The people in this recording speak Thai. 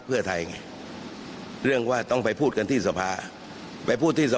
อืม